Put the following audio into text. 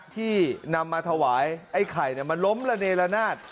ที่นำมาถวายไอ้ไข่มันล้มระเนละนาด